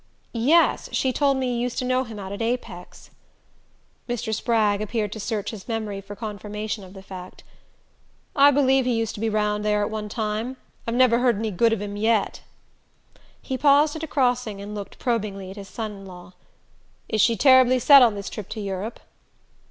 "Yes: she told me you used to know him out at Apex." Mr. Spragg appeared to search his memory for confirmation of the fact. "I believe he used to be round there at one time. I've never heard any good of him yet." He paused at a crossing and looked probingly at his son in law. "Is she terribly set on this trip to Europe?"